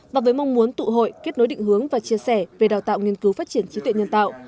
và với mong muốn tụ hội kết nối định hướng và chia sẻ về đào tạo nghiên cứu phát triển trí tuệ nhân tạo